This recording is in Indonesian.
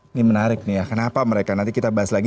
ini menarik nih ya kenapa mereka nanti kita bahas lagi